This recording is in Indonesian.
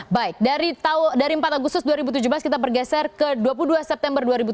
baik dari empat agustus dua ribu tujuh belas kita bergeser ke dua puluh dua september dua ribu tujuh belas